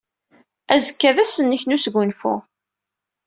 Azekka d ass-nnek n wesgunfu.